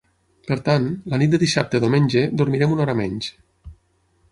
Per tant, la nit de dissabte a diumenge, dormirem una hora menys.